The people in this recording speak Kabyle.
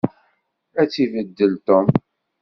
Ad tt-ibeddel Tom.